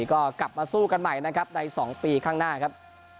ก็กลับมาสู้กันใหม่นะครับใน๒ปีข้างหน้าครับ